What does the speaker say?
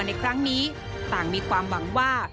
ในครั้งนี้ต่างมีความหวังว่า